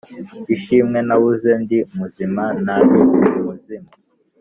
ishimwe nabuze ndi muzima ntari umuzimu